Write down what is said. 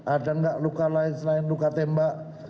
ada nggak luka lain selain luka tembak